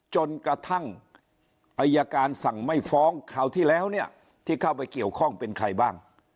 จนกระทั่งอายการสั่งไม่ฟ้องคราวที่แล้วเนี่ยที่เข้าไปเกี่ยวข้องเป็นใครบ้าง